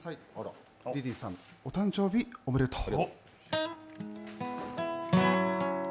リリーさん、お誕生日おめでとう。